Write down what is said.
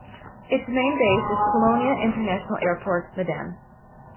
Its main base is Polonia International Airport, Medan.